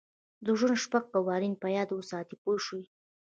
د ژوند شپږ قوانین په یاد وساتئ پوه شوې!.